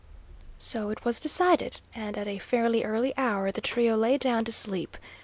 So it was decided, and at a fairly early hour the trio lay down to sleep.